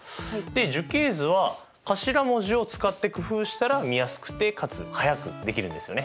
樹形図は頭文字を使って工夫したら見やすくてかつ速くできるんですよね。